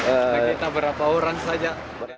sekitar berapa orang saja